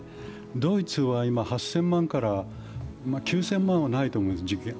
ドイツは今８０００万から、９０００万はないと思います。